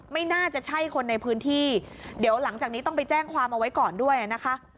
ไม่น่าจะใช่คนในพื้นที่เดี๋ยวหลังจากนี้ต้องไปแจ้งความเอาไว้ก่อนด้วยนะคะ